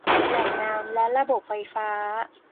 แหล่งน้ำ และระบบไฟฟ้า